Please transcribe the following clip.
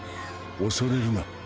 恐れるな。